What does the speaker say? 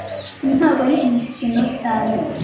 Uyu ntago ari umukino cyane